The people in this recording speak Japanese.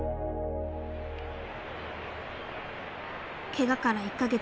ケガから１か月。